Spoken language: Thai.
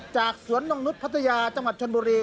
จากสวนนกนุษย์พัทยาจังหวัดชนบุรี